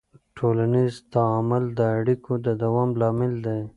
ټولنیز تعامل د اړیکو د دوام لامل دی.